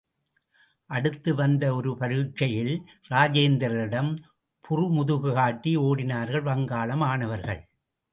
அடுத்து வந்த ஒரு பரீட்சையில் இராஜேந்திரரிடம் புறுமுதுகு காட்டி ஓடினார்கள் வங்காள மாணவர்கள்.